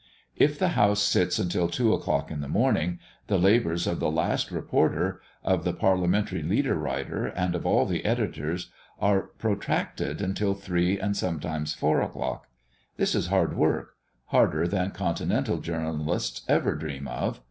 If the house sits until two o'clock in the morning, the labours of the last reporter, of the Parliamentary leader writer, and of one of the editors, are protracted until three and sometimes four o'clock. This is hard work, harder than continental journalists ever dream of.